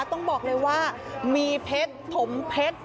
ต้องบอกเลยว่ามีเผ็ดถมเผ็ด